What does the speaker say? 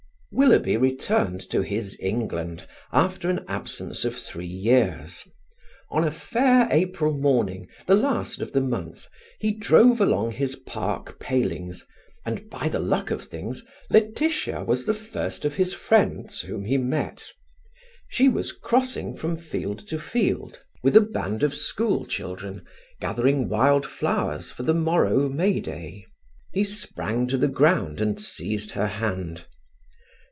Willoughby returned to his England after an absence of three years. On a fair April morning, the last of the month, he drove along his park palings, and, by the luck of things, Laetitia was the first of his friends whom he met. She was crossing from field to field with a band of school children, gathering wild flowers for the morrow May day. He sprang to the ground and seized her hand.